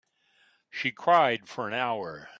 She cried for an hour.